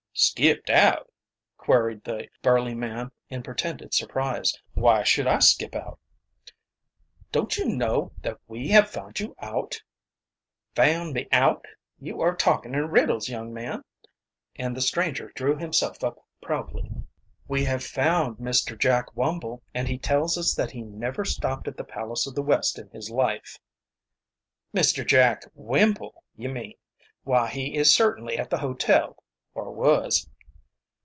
"Skipped out?" queried the burly man in pretended surprise. "Why should I skip out?" "Don't you know that we have found you out?" "Found me out? You are talking in riddles, young man." And the stranger drew himself up proudly. "We have found Mr. Jack Wumble, and he tells us that he never stopped at the Palace of the West in his life." "Mr. Jack Wimple, you mean. Why, he is certainly at the hotel or was."